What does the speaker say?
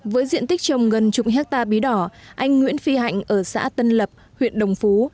với diện tích trồng gần chục hectare bí đỏ anh nguyễn phi hạnh ở xã tân lập huyện đồng phú